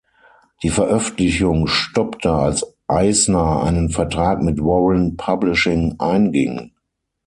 Die Veröffentlichung stoppte, als Eisner einen Vertrag mit Warren Publishing einging.